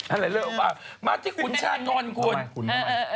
อะไรเลิกว่ะมาที่ขุนชาติก่อนคุณเออเออเออ